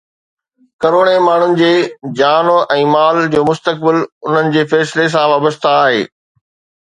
ڪروڙين ماڻهن جي جان ۽ مال جو مستقبل انهن جي فيصلي سان وابسته آهي.